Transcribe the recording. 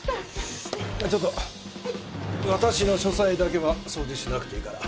私の書斎だけは掃除しなくていいから。